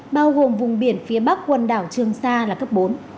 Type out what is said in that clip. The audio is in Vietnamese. bao gồm vùng biển phía bắc quần đảo trường sa là cấp bốn